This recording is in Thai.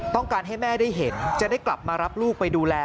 ต้องการให้แม่ได้เห็นจะได้กลับมารับลูกไปดูแล